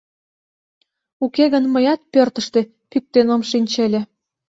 — Уке гын мыят пӧртыштӧ пӱктен ом шинче ыле.